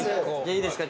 いいですか？